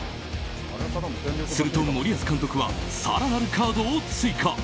すると森保監督は更なるカードを追加。